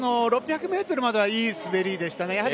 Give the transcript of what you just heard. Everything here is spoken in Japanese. ６００ｍまではいい滑りでしたね。